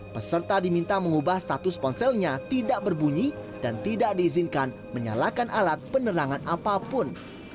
peserta diminta mengubah status ponselnya tidak berbunyi dan tidak diizinkan menyalakan alat penerangan apapun